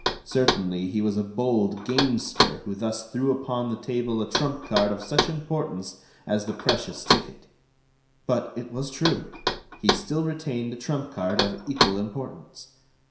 Certainly, he was a bold gamester who thus threw upon the table a trump card of such importance as the precious ticket. But, it was true, he still retained a trump card of equal importance.